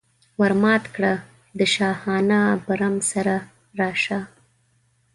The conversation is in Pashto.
ور مات کړه د شاهانه برم سره راشه.